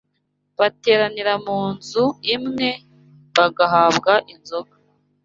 Bateraniraga mu nzu imwe bagahabwa inzoga